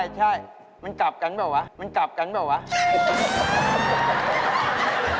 ใช่มันกลับกันเปล่าวะมันกลับกันเปล่าวะ